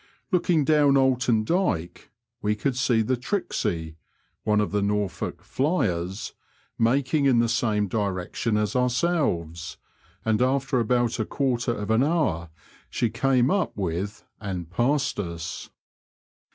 Looking down Oulton Dyke we could see the Trixie (one of the Norfolk flyers") making in the same direction as ourselves, and after about a quarter of an hour she came up with and passed us.